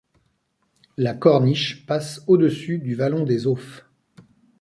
La corniche passe au-dessus du Vallon des Auffes.